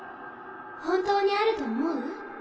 本当にあると思う？